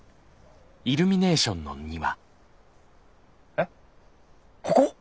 えっここ？